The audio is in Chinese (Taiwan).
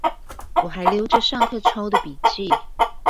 我還留著上課抄的筆記